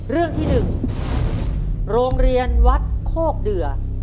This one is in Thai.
เรื่องที่๑โรงเรียนวัดโคกเดือ